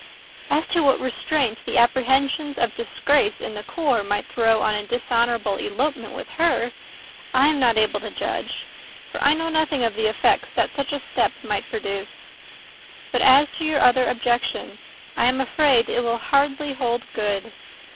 As to what restraint the apprehensions of disgrace in the corps might throw on a dishonourable elopement with her, I am not able to judge; for I know nothing of the effects that such a step might produce. But as to your other objection, I am afraid it will hardly hold good.